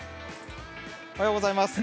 おはようございます。